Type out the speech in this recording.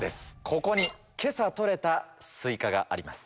ここに今朝採れたスイカがあります。